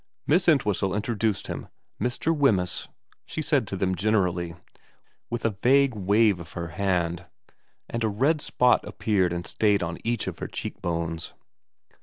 Miss Entwhistle introduced him. ' Mr. Wemyss,' she said to them generally, with a vague wave of her hand ; and a red spot appeared and stayed on each of her cheekbones.